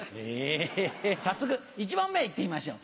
早速、１問目、いってみましょう。